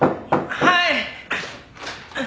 はい？